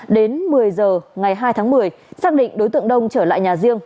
đến một mươi giờ ngày hai tháng một mươi xác định đối tượng đông trở lại nhà riêng